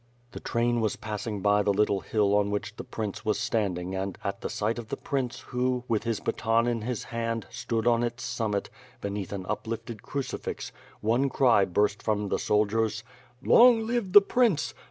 ... The train was passing by the little hill on which the prince was standing and at the sight of the prince who, with his baton in his hand, stood on its summit, beneath an uplifted crucifix, one cry burst from the soldiers. "Long live the prince!